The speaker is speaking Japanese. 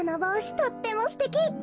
とってもすてき！